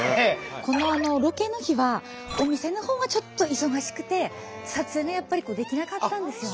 このロケの日はお店のほうはちょっと忙しくて撮影ができなかったんですよね。